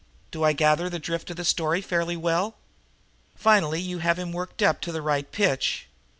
Do I gather the drift of the story fairly well? Finally you have him worked up to the right pitch.